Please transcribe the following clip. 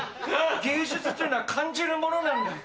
芸術っていうのは感じるものなんだ。